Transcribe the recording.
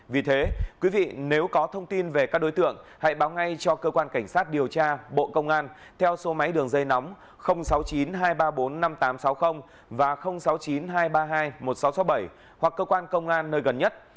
vì thế quý vị nếu có thông tin về các đối tượng hãy báo ngay cho cơ quan cảnh sát điều tra bộ công an theo số máy đường dây nóng sáu mươi chín hai trăm ba mươi bốn năm nghìn tám trăm sáu mươi và sáu mươi chín hai trăm ba mươi hai một nghìn sáu trăm sáu mươi bảy hoặc cơ quan công an nơi gần nhất